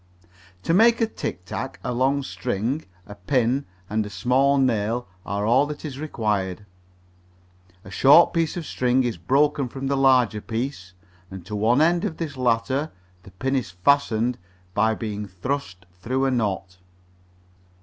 To make a tic tac a long string, a pin and a small nail are all that is required. A short piece of string is broken from the larger piece, and to one end of this latter the pin is fastened by being thrust through a knot.